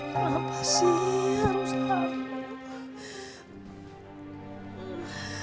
kenapa sih harus tahu